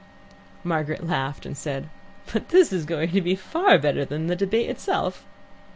Margaret laughed and said, "But this is going to be far better than the debate itself."